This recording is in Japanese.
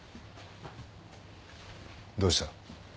どうした？